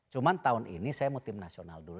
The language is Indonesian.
cuma tahun ini saya mau tim nasional dulu